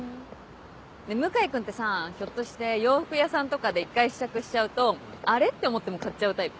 ねぇ向井君ってさぁひょっとして洋服屋さんとかで１回試着しちゃうと「あれ？」って思っても買っちゃうタイプ？